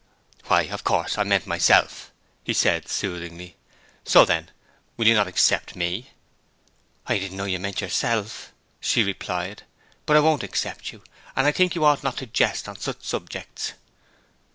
'Why, of course I meant myself,' he said soothingly. 'So, then, you will not accept me?' 'I didn't know you meant yourself,' she replied. 'But I won't accept you. And I think you ought not to jest on such subjects.'